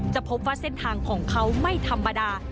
จะพบว่าเส้นทางของเขาไม่ธรรมดา